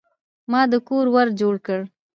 ما د کور ور جوړ کړ.